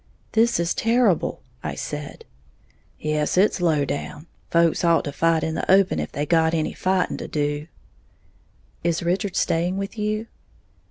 "This is horrible," I said. "Yes, it's low down. Folks ought to fight in the open if they got any fighting to do." "Is Richard staying with you?"